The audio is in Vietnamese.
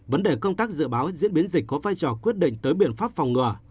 vấn đề công tác dự báo diễn biến dịch có vai trò quyết định tới biện pháp phòng ngừa